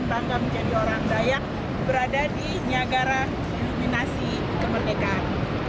bangga menjadi orang dayak berada di niagara iluminasi kemerdekaan